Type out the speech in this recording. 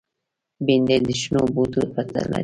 بېنډۍ د شنو بوټو پته لري